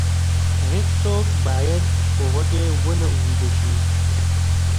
هیڅوک باید وږی ونه ویده شي.